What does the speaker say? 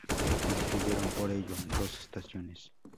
Se construyeron, por ello, dos estaciones.